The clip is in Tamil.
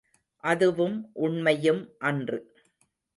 அதுவும் உண்மையும் அன்று!